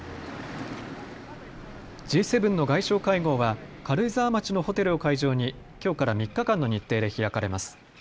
Ｇ７の外相会合は軽井沢町のホテルを会場にきょうから３日間の日程で開かれます。